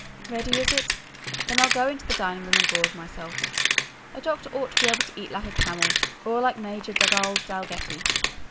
Ready, is it? Then I'll go into the dining room and gorge myself. A doctor ought to be able to eat like a camel, or like Major Dugald Dalgetty."